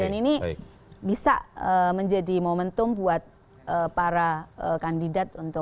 jadi ini bisa menjadi momentum buat para kandidat untuk